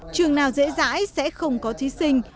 trường nào dễ dãi sẽ không có thí sinh